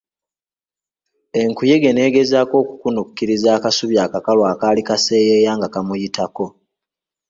Enkuyege n'egezaako okukunukiriza akasubi akakalu akaali kaseyeeya nga kamuyitako.